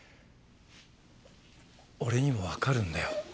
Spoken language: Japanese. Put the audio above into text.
俺にもわかるんだよ